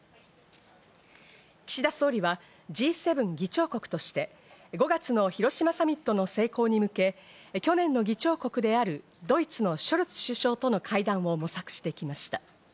岸田総理はＧ７議長国として５月の広島サミットの成功に向け、去年の議長国であるドイツのショルツ首相との会談を模索してきました。